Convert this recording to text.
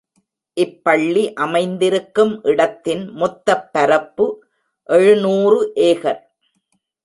இப்பள்ளி அமைந்திருக்கும் இடத்தின் மொத்தப் பரப்பு எழுநூறு ஏகர்.